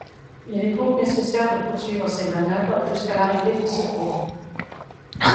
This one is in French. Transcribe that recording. Il est donc nécessaire de poursuivre ces manœuvres jusqu'à l'arrivée des secours.